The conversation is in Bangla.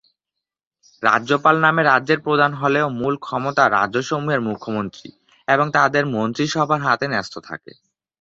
রাজ্যপাল নামে রাজ্যের প্রধান হলেও মূল ক্ষমতা রাজ্যসমূহের মুখ্যমন্ত্রী এবং তাদের মন্ত্রীসভার হাতে ন্যস্ত থাকে।